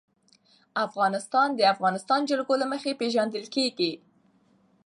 افغانستان د د افغانستان جلکو له مخې پېژندل کېږي.